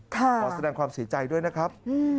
ขอแสดงความเสียใจด้วยนะครับ